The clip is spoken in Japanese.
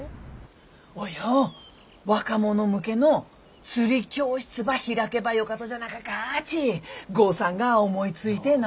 およ若者向けの釣り教室ば開けばよかとじゃなかかっち豪さんが思いついてな。